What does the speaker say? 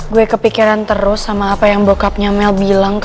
gue kepikiran terus sama apa yang bokapnya mel bilang ke gue